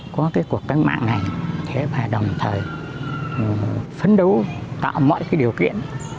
có cái cuộc căn mạng này thế và đồng thời phấn đấu tạo mọi cái điều kiện